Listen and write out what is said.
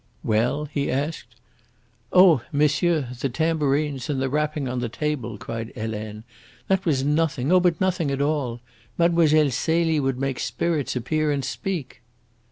"Well?" he asked. "Oh, monsieur, the tambourines and the rapping on the table!" cried Helene. "That was nothing oh, but nothing at all. Mademoiselle Celie would make spirits appear and speak!"